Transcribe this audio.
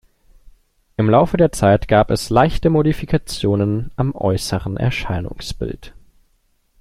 Im Laufe der Zeit gab es leichte Modifikationen am äußeren Erscheinungsbild.